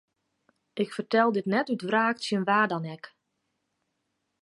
Ik fertel dit net út wraak tsjin wa dan ek.